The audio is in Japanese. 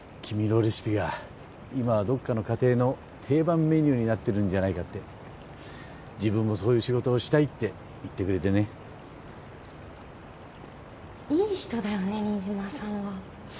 君のレシピが今はどっかの家庭の定番メニューになってるんじゃないかって自分もそういう仕事をしたいって言ってくれてねいい人だよね新島さんは